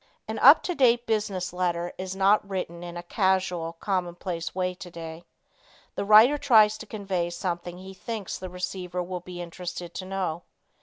An up to date business letter is not written in a casual, commonplace way today. The writer tries to convey something he thinks the receiver will be interested to know.